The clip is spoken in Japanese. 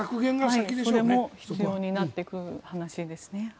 それも必要になっていく話ですね。